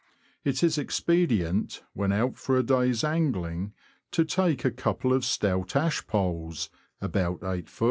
It is expedient, when out for a day's angling, to take a couple of stout ash poles, about 8ft.